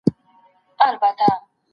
که ته عيب لټوې، نور به ستا عيبونه لټوي.